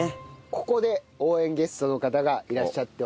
ここで応援ゲストの方がいらっしゃっております。